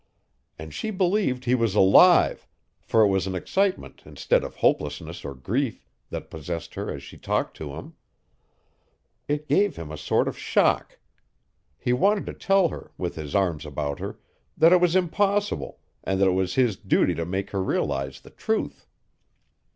And she believed he was alive, for it was an excitement instead of hopelessness or grief that possessed her as she talked to him. It gave him a sort of shock. He wanted to tell her, with his arms about her, that it was impossible, and that it was his duty to make her realize the truth.